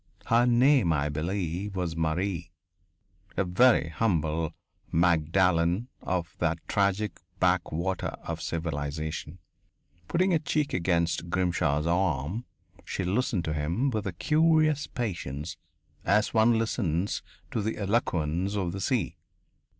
Her name, I believe, was Marie a very humble Magdalen of that tragic back water of civilization. Putting her cheek against Grimshaw's arm, she listened to him with a curious patience as one listens to the eloquence of the sea.